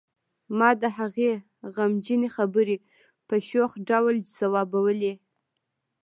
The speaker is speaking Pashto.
ما د هغې غمجنې خبرې په شوخ ډول ځوابولې